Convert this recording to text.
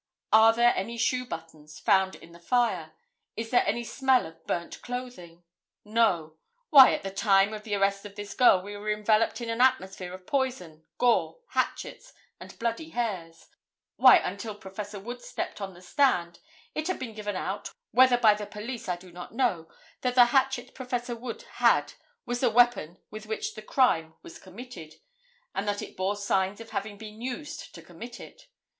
Are there any shoe buttons found in the fire? Is there any smell of burnt clothing? No. Why, at the time of the arrest of this girl we were enveloped in an atmosphere of poison, gore, hatchets and bloody hairs. Why, until Prof. Wood stepped on the stand, it had been given out, whether by the police I do not know, that the hatchet Prof. Wood had was the weapon with which the crime was committed, and that it bore signs of having been used to commit it.